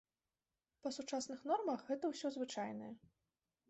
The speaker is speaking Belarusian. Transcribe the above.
Па сучасных нормах гэта ўсё звычайнае.